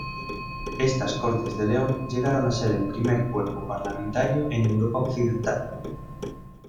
Estas Cortes de León llegaron a ser el primer cuerpo parlamentario en Europa Occidental.